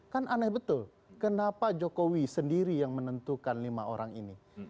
kan aneh betul kenapa jokowi sendiri yang menentukan lima orang ini